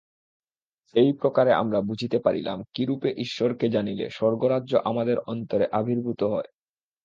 এই প্রকারে আমরা বুঝিতে পারিলাম, কিরূপে ঈশ্বরকে জানিলে স্বর্গরাজ্য আমাদের অন্তরে আবির্ভূত হয়।